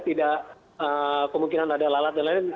tidak kemungkinan ada lalat dan lain lain